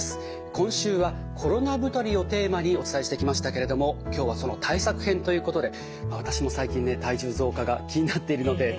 今週は「コロナ太り」をテーマにお伝えしてきましたけれども今日はその対策編ということで私も最近体重増加が気になっているので楽しみです。